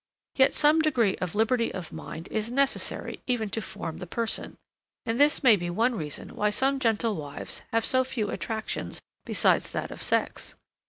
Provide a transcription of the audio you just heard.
Yet some degree of liberty of mind is necessary even to form the person; and this may be one reason why some gentle wives have so few attractions beside that of sex.